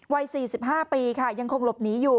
วัย๔๕ปีค่ะยังคงหลบหนีอยู่